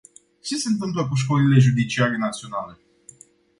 Ce se întâmplă cu școlile judiciare naționale?